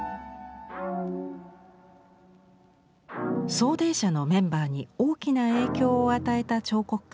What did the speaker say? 「走泥社」のメンバーに大きな影響を与えた彫刻家がいました。